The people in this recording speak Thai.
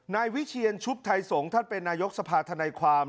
นายวิเชียนชุบไทยสงฆ์ท่านเป็นนายกสภาธนายความ